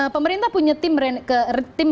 pemerintah punya tim